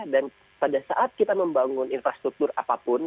dan pada saat kita membangun infrastruktur apapun